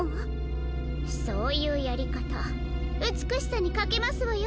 そういうやりかたうつくしさにかけますわよ